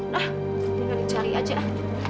nah kita cari aja